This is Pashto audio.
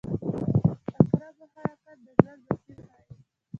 • د عقربو حرکت د ژوند مسیر ښيي.